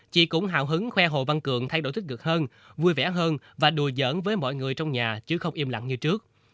chị cũng hào hứng khoe hồ văn cường thay đổi tích cực hơn vui vẻ hơn và đùa giởn với mọi người trong nhà chứ không im lặng như trước